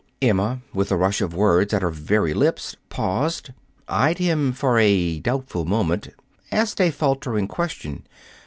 Emma, with a rush of words at her very lips, paused, eyed him for a doubtful moment, asked a faltering question.